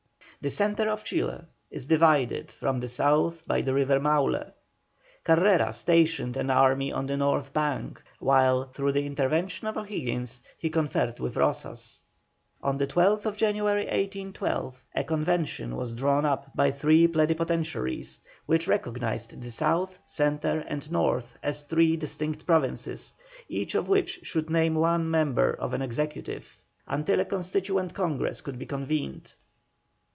The Centre of Chile is divided from the South by the river Maule. Carrera stationed an army on the north bank, while, through the intervention of O'Higgins, he conferred with Rozas. On the 12th January, 1812, a convention was drawn up by three plenipotentiaries, which recognised the South, Centre, and North as three distinct provinces, each of which should name one member of an Executive, until a Constituent Congress could be convened.